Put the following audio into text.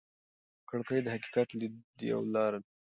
کړکۍ د حقیقت لیدلو یوه لاره ده.